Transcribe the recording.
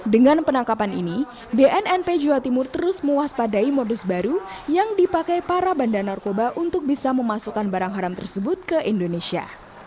dengan penangkapan ini bnnp jawa timur terus mewaspadai modus baru yang dipakai para bandar narkoba untuk bisa memasukkan barang haram tersebut ke indonesia